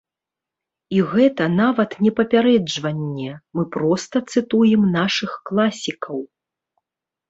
І гэта нават не папярэджванне, мы проста цытуем нашых класікаў.